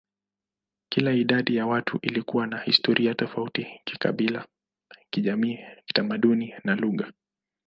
Kila idadi ya watu ilikuwa na historia tofauti kikabila, kijamii, kitamaduni, na lugha.